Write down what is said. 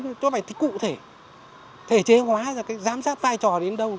chúng ta phải cụ thể thể chế hóa ra cái giám sát vai trò đến đâu